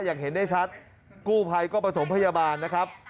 อย่างเห็นได้ชัดกู้ภัยก็ประถมพยาบาลนะครับ